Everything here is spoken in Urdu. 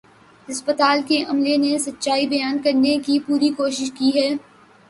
ہسپتال کے عملے نے سچائی بیان کرنے کی پوری کوشش کی ہے